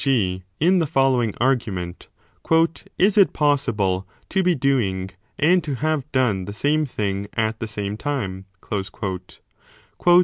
g. in the following argument : Is it possible to be doing and to have done the same thing at the same CHAPTER XXII I7 8 time?